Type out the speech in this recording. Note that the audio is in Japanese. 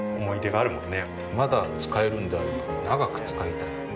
まだ使えるんであれば長く使いたい。